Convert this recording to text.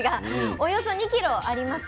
およそ２キロあります。